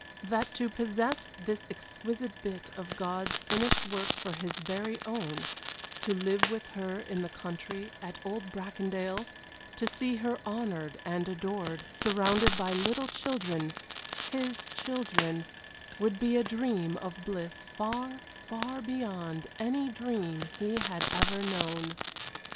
That to possess this exquisite bit of God's finished work for his very own, to live with her in the country, at old Bracondale, to see her honored and adored, surrounded by little children his children would be a dream of bliss far, far beyond any dream he had ever known.